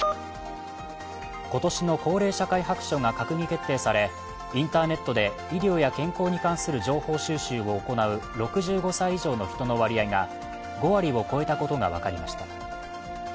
今年の高齢社会白書が閣議決定されインターネットで医療や健康に関する情報収集を行う６５歳以上の人の割合が５割を超えたことが分かりました。